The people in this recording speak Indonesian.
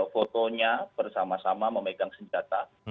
fotonya bersama sama memegang senjata